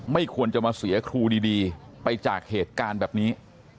ไม่ควรจะมาเสียครูดีไปจากเหตุการณ์แบบนี้